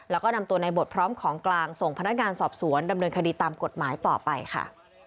แล้วก็นำตัวในบทพร้อมของกลางส่งพนักงานสอบสวนดำเนินคดีตามกฎหมายต่อไปค่ะ